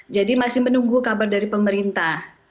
jadi masih menunggu kabar dari pemerintah